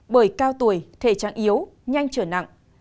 bởi cao tuổi thể trạng yếu nhanh trở nặng